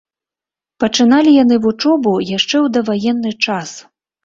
Пачыналі яны вучобу яшчэ ў даваенны час.